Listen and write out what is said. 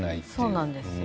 そうなんですよ。